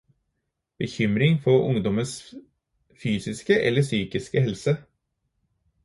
Bekymring for ungdommens fysiske eller psykiske helse